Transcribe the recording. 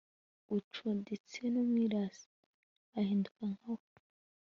ucuditse n'umwirasi, ahinduka nka we